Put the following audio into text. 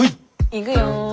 行くよ。